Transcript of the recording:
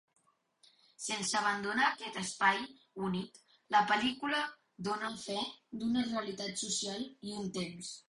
Sense abandonar aquest espai únic, la pel·lícula dóna fe d'una realitat social i un temps.